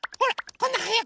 こんなはやく。